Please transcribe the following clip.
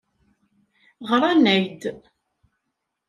Ɣran-ak-d.